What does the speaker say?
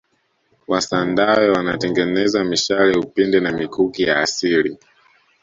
wasandawe wanatengeneza mishale upinde na mikuki ya asili